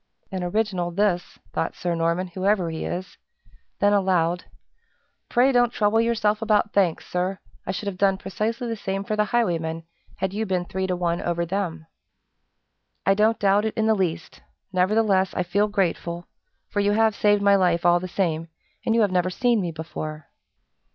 "An original, this," thought Sir Norman, "whoever he is." Then aloud: "Pray don't trouble yourself about thanks, sir, I should have dome precisely the same for the highwaymen, had you been three to one over them." "I don't doubt it in the least; nevertheless I feel grateful, for you have saved my life all the same, and you have never seen me before."